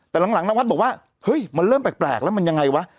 แต่หลังนวัดบอกว่าเฮ้ยมันเริ่มแปลกแล้วมันยังไงวะ